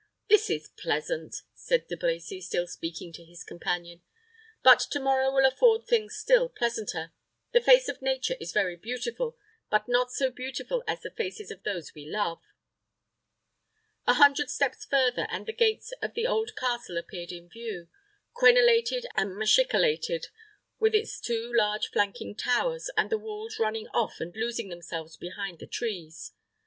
"This is pleasant," said De Brecy, still speaking to his companion; "but to morrow will afford things still pleasanter. The face of Nature is very beautiful, but not so beautiful as the faces of those we love." A hundred steps further, and the gates of the old castle appeared in view, crenelated and machicolated, with its two large flanking towers, and the walls running off and losing themselves behind the trees.